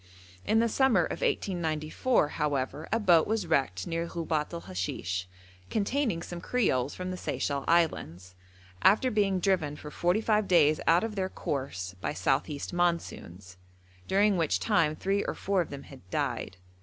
In the summer of 1894, however, a boat was wrecked near Ghubet el Hashish, containing some creoles from the Seychelle Islands, after being driven for forty five days out of their course by south east monsoons, during which time three or four of them had died.